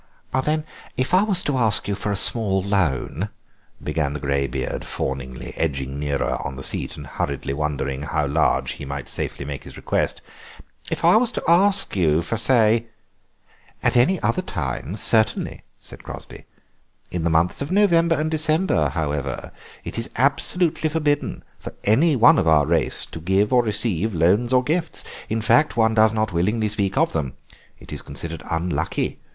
"Then if I was to ask you for a small loan—" began the greybeard fawningly, edging nearer on the seat and hurriedly wondering how large he might safely make his request, "if I was to ask you for, say—" "At any other time, certainly," said Crosby; "in the months of November and December, however, it is absolutely forbidden for anyone of our race to give or receive loans or gifts; in fact, one does not willingly speak of them. It is considered unlucky.